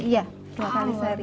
iya dua kali sehari